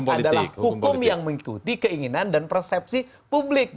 adalah hukum yang mengikuti keinginan dan persepsi publik